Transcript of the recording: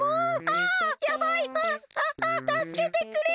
あっあったすけてくれ！